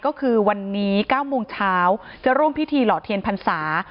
ก็คือวันนี้๙โมงเช้าจะร่วมพิธีหล่อเทียนพรรษา